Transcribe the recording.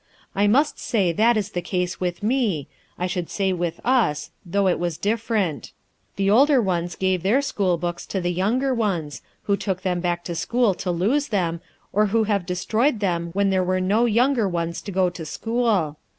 I must say that is the case with me, I should say with us, though it was different. The older ones gave their school books to the younger ones, who took them back to school to lose them, or who have destroyed them when there were no younger ones to go to school.